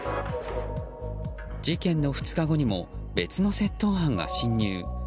事件の２日後にも別の窃盗犯が侵入。